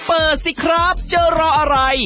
เปิดสิครับเจอรออะไร